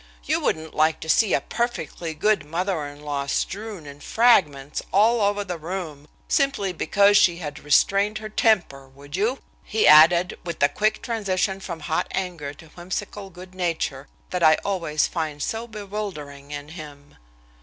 You wouldn't like to see a perfectly good mother in law strewn in fragment all over the room, simply because she had restrained her temper, would you?" he added, with the quick transition from hot anger to whimsical good nature that I always find so bewildering in him.